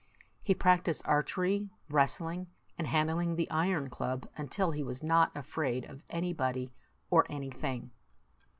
He practised archery, wrestling, and handling the iron club, until he was not afraid of anybody or anything.